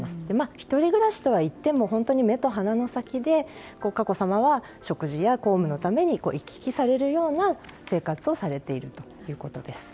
１人暮らしとはいっても目と鼻の先で佳子さまは食事や公務のために行き来されるような生活をされているということです。